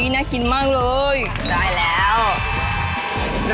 อีกนิดนึงครับ